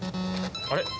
あれ？